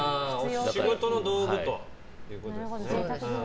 仕事の道具ということですね。